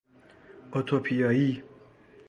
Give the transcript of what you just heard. اتوپیایی